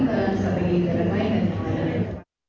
seperti yang diilikan dari lain dan sebagainya